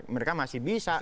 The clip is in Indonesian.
mereka masih bisa